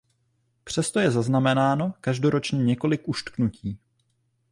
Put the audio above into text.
Přesto je zaznamenáno každoročně několik uštknutí.